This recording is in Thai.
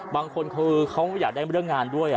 บางคนคือเขาอยากได้เรื่องงานด้วย